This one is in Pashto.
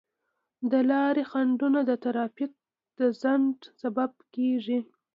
د لارې خنډونه د ترافیک د ځنډ سبب کیږي.